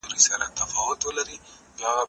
زه موبایل نه کاروم؟!